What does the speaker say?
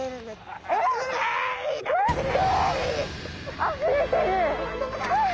あふれてる。